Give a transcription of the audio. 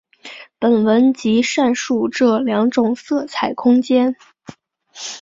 本文即阐述这两种色彩空间。